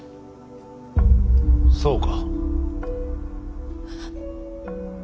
そうか。